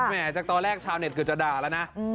แหมจากตอนแรกชาวเน็ตจะด่าแล้วนะ